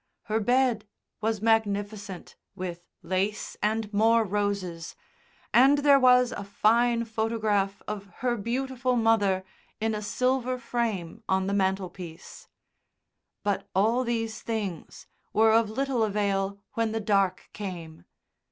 Her bed was magnificent, with lace and more roses, and there was a fine photograph of her beautiful mother in a silver frame on the mantelpiece. But all these things were of little avail when the dark came.